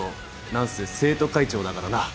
何せ生徒会長だからな。